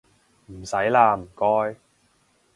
唔使喇唔該